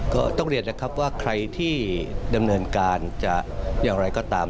ก็ต้องเรียนนะครับว่าใครที่ดำเนินการจะอย่างไรก็ตาม